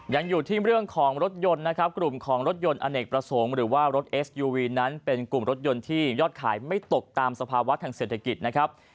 ยังอยู่ที่เรื่องของรถยนต์นะครับกลุ่มของรถยนต์อเนกประสงค์หรือว่ารถเอสยูวีนั้นเป็นกลุ่มรถยนต์ที่ยอดขายไม่ตกตามสภาวะทางเศรษฐกิจนะครับ